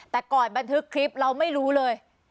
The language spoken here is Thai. แต่ก่อนบันทึกคลิปเราไม่รู้เลย